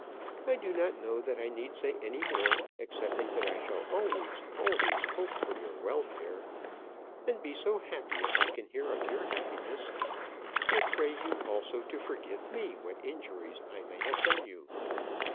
I do not know that I need say any more, excepting that I shall always always hope for your welfare; and be so happy if I can hear of your happiness. I pray you also to forgive me what injuries I may have done you.